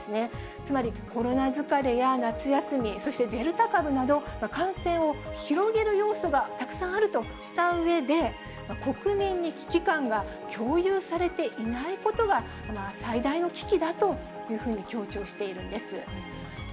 つまり、コロナ疲れや夏休み、そしてデルタ株など、感染を広げる要素がたくさんあるとしたうえで、国民に危機感が共有されていないことが最大の危機だというふうに強調しているんです。